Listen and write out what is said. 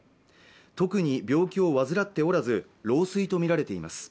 特に病気を患っておらず老衰とみられています